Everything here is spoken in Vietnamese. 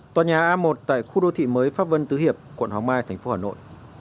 tòa nhà a một tại khu đô thị mới pháp vân tứ hiệp quận hoàng mai thành phố hà nội